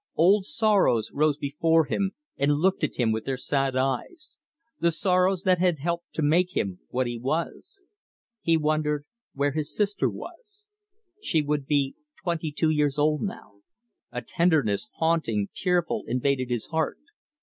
Old sorrows rose before him and looked at him with their sad eyes; the sorrows that had helped to make him what he was. He wondered where his sister was. She would be twenty two years old now. A tenderness, haunting, tearful, invaded his heart.